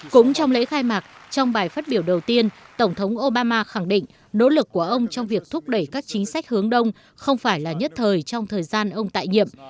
cũng trong lễ khai mạc trong bài phát biểu đầu tiên tổng thống obama khẳng định nỗ lực của ông trong việc thúc đẩy các chính sách hướng đông không phải là nhất thời trong thời gian ông tại nhiệm